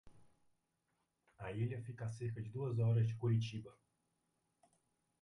A ilha fica a cerca de duas horas de Curitiba.